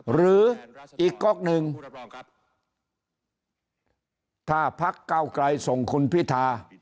หรืออีกก๊อกหนึ่งถ้าพักเก้าไกลส่งคุณพิธา